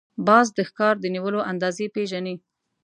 باز د ښکار د نیولو اندازې پېژني